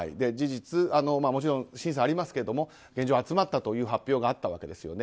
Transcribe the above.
事実、もちろん審査はありますけれども現状集まったという発表があったわけです。